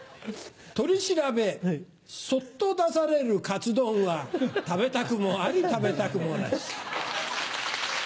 取り調べそっと出されるカツ丼は食べたくもあり食べたくもなし。